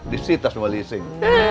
disita semua lisik